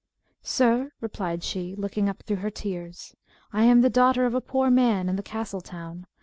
"Sir," replied she, looking up through her tears, "I am the daughter of a poor man in the castle town.